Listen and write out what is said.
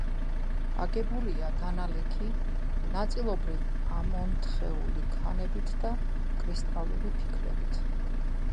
აგებულია დანალექი, ნაწილობრივ ამონთხეული ქანებით და კრისტალური ფიქლებით.